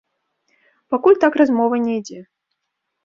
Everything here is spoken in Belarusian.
Пакуль так размова не ідзе.